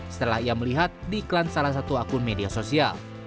setelah ia melihat di iklan salah satu akun media sosial